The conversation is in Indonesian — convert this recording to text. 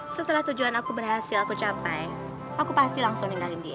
setelah tujuan aku berhasil aku capai aku pasti langsung nindangin dia